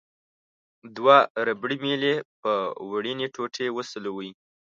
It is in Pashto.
دوه ربړي میلې په وړینې ټوټې وسولوئ.